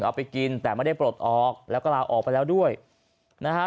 เอาไปกินแต่ไม่ได้ปลดออกแล้วก็ลาออกไปแล้วด้วยนะฮะ